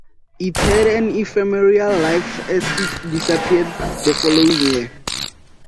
It had an ephemeral life as it disappeared the following year.